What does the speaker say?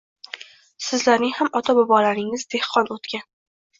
Sizlarning ham ota-bobolaringiz dehqon o‘tgan